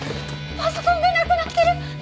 パソコンがなくなってる。